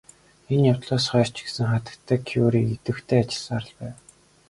Энэ явдлаас хойш ч гэсэн хатагтай Кюре идэвхтэй ажилласаар л байв.